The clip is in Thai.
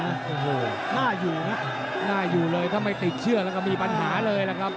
โอ้โหน่าอยู่นะน่าอยู่เลยถ้าไม่ติดเชื่อแล้วก็มีปัญหาเลยล่ะครับ